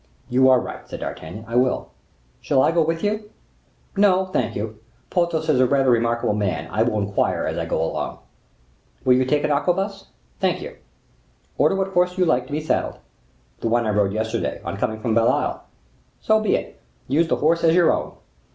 "You are right," said D'Artagnan, "I will." "Shall I go with you?" "No, thank you; Porthos is a rather remarkable man: I will inquire as I go along." "Will you take an arquebus?" "Thank you." "Order what horse you like to be saddled." "The one I rode yesterday, on coming from Belle Isle." "So be it: use the horse as your own."